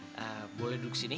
eee boleh duduk sini